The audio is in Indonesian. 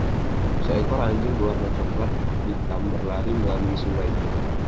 seekor anjing berwarna coklat - hitam berlari melalui sungai